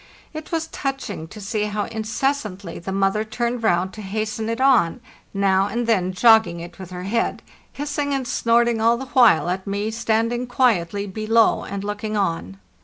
It was touching to see how incessantly the mother turned round to hasten it on, now and then jogging it with her head, hissing and snorting all the while at me standing quietly below and looking on.